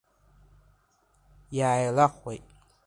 Иааилахәлеит.